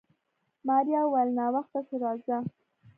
ماريا وويل ناوخته شو راځه.